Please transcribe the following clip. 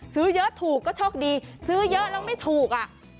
ซื้อเยอะถูกก็โชคดีซื้อเยอะแล้วไม่ถูก